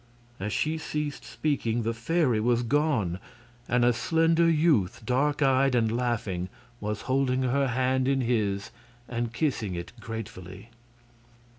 As she ceased speaking the fairy was gone, and a slender youth, dark eyed and laughing, was holding her hand in his and kissing it gratefully.